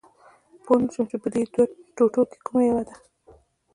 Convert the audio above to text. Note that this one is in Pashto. پوه نه شوم چې په دې ټوټو کې کومه یوه ده